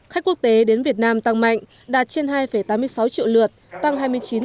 khách quốc tế đến việt nam tăng mạnh đạt trên hai tám mươi sáu triệu lượt tăng hai mươi chín